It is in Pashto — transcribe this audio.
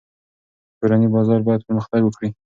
کورني بازار باید پرمختګ وکړي.